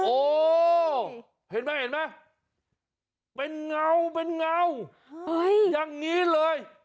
โอ้เห็นมั้ยเป็นเงายังนี้เลย